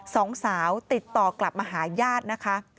สองสาวติดต่อกลับมาหาญาตินะคะ